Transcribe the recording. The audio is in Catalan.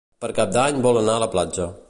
Per Cap d'Any vol anar a la platja.